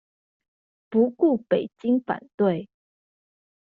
不顧北京反對